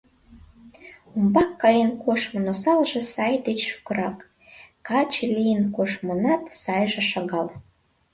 Умбак каен коштмын осалже сай деч шукырак, каче лийын коштмынат сайже шагал.